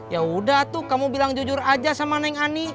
ya udah tuh kamu bilang jujur aja sama neng ani